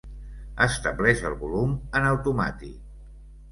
Estableix el volum en automàtic.